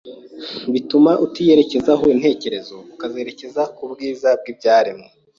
Bituma utiyerekezaho intekerezo ukazerekeza ku bwiza bw’ibyaremwe.